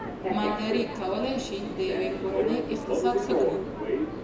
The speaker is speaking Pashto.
مالداري کولای شي د یوې کورنۍ اقتصاد ښه کړي